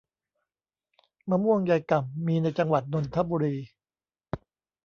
มะม่วงยายก่ำ มีในจังหวัดนนทบุรี